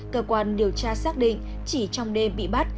cơ quan điều tra xác định chỉ trong đêm bị bắt